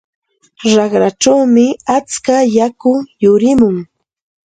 Raqrachawmi atska yaku yurimun.